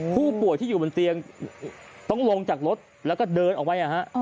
ผู้ป่วยที่อยู่บนเตียงต้องลงจากรถแล้วก็เดินออกไป